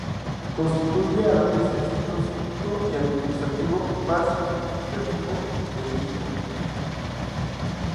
Constituye a la vez el centro cívico y administrativo más significativo del mismo.